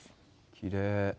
きれい。